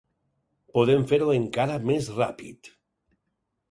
Podem fer-ho encara més ràpid.